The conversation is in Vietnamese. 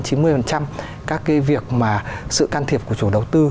các cái việc mà sự can thiệp của chủ đầu tư